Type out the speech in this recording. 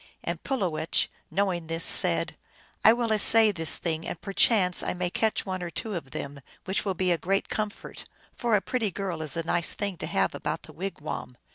And Pulowech, knowing this, said, " I will essay this thing, and per chance I may catch one or two of them ; which will be a great comfort, for a pretty girl is a nice thing to have about the wigwam."